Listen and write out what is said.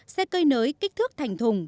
xe cây nới kích thước thành thùng